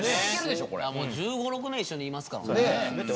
もう１５１６年一緒にいますからね。